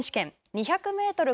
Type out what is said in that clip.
２００メートル